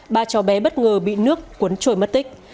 ba cháu bé bất ngờ bị nước cuốn trôi mất tích